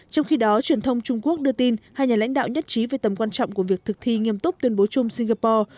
trong khi đó truyền thông trung quốc đưa tin hai nhà lãnh đạo nhất trí về tầm quan trọng của việc thực thi nghiêm túc tuyên bố chung singapore